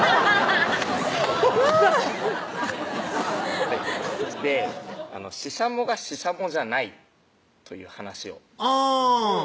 そんなししゃもがししゃもじゃないという話をあぁ！